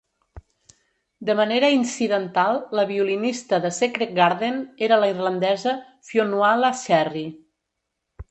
De manera incidental, la violinista de Secret Garden era la irlandesa Fionnuala Sherry.